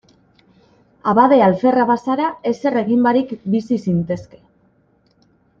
Abade alferra bazara, ezer egin barik bizi zintezke.